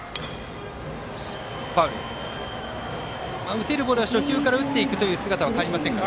打てるボールは初球から打っていくというのは変わりませんね。